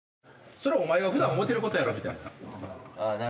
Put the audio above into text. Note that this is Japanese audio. それお前が普段思てることやろ！みたいな。